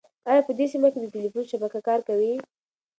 ایا په دې سیمه کې د تېلیفون شبکه کار کوي؟